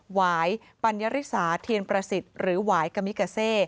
หวายปัญญาริสาเทียนประสิทธิ์หรือหวายกะมิกาเซ